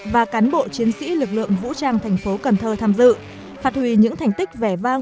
và cán bộ chiến sĩ lực lượng vũ trang tp cnh tham dự phạt hủy những thành tích vẻ vang